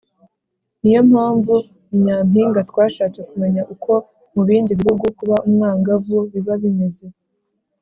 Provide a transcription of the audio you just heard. ni yo mpamvu “ni nyampinga” twashatse kumenya uko mu bindi bihugu kuba umwangavu biba bimeze.